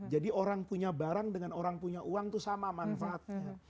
jadi orang punya barang dengan orang punya uang itu sama manfaatnya